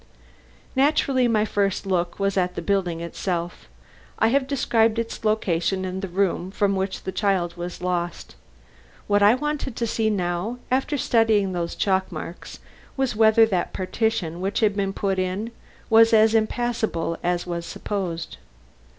Naturally, my first look was at the building itself. I have described its location and the room from which the child was lost. What I wanted to see now, after studying those chalk marks, was whether that partition which had been put in, was as impassable as was supposed.